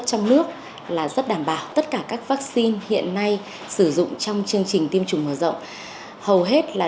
dịch bệnh nếu và khi chúng ta có thể tắt chỗ cao nhiều điều này ra thì những t mcgregor và zakir và